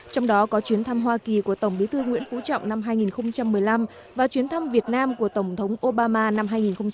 trong đó có chuyến thăm hoa kỳ của tổng bí thư nguyễn phú trọng năm hai nghìn một mươi năm và chuyến thăm việt nam của tổng thống obama năm hai nghìn một mươi tám